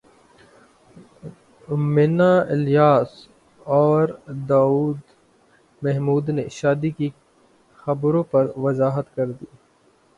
منہ الیاس اور داور محمود نے شادی کی خبروں پر وضاحت کردی